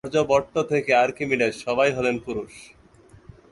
আর্যভট্ট থেকে আর্কিমিডিস, সবাই হলেন পুরুষ।